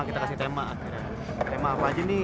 kita kasih tema tema apa aja nih